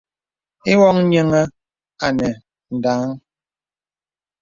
Ìwɔ̀ŋ nyìəŋə̀ ànə ndaŋaŋ.